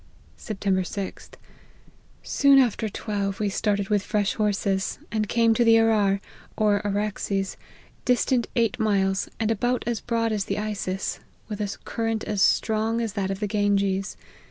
" Sept* 6th* Soon after twelve we started with fresh horses, and came to the Arar, or Araxes, distant eight miles, and about as broad as the Isis, with a current as strong as that of the Ganges.